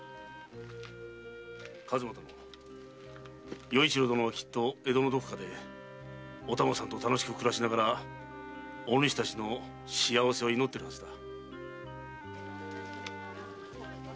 数馬殿与一郎殿はきっと江戸のどこかでお玉さんと楽しく暮らしながらお主たちの幸せを祈ってるはずだ。